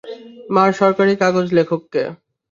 মার সরকারি কাগজ লেখককে।